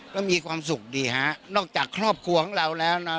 ก็มีความสุขดีฮะนอกจากครอบครัวของเราแล้วนะ